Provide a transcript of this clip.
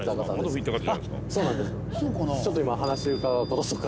ちょっと今話伺う事とか。